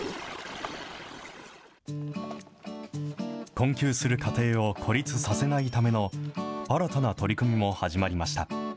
困窮する家庭を孤立させないための新たな取り組みも始まりました。